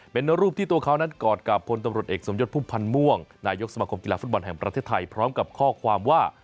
เป็นรูปที่ตัวเขานั้นกอดกับพลตำรวจเอกสมยศพุ่มพันธ์ม่วงนายกสมคมกีฬาฟุตบอลแห่งประเทศไทยพร้อมกับข้อความว่า